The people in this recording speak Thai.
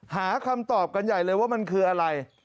หาคำตอบกันใหญ่เลยว่ามันคืออะไร